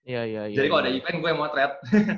jadi kalo ada event gue yang motret